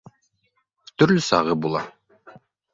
Төрлө сағы була